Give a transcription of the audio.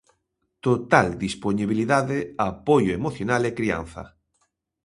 Total dispoñibilidade, apoio emocional e crianza.